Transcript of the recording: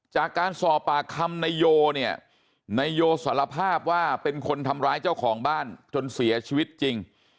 จากการสอบปากคำนายโยเนี่ยนายโยสารภาพว่าเป็นคนทำร้ายเจ้าของบ้านจนเสียชีวิตจริง